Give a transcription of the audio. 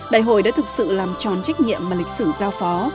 đại hội đã thực sự làm tròn trách nhiệm mà lịch sử giao phó